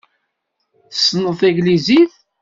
Tessneḍ taglizit?